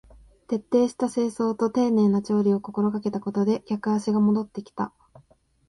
徹底した清掃と丁寧な調理を心がけたことで客足が戻ってきた